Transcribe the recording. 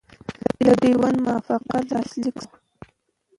د ډیورنډ موافقه لاسلیک شوه.